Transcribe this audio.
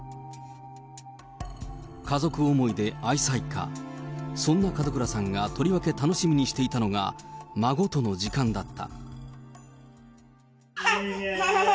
家族思いで愛妻家、そんな門倉さんがとりわけ楽しみにしていたのが、孫との時間だった。